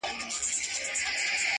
بار به سپک سي او هوسا سفر به وکړې؛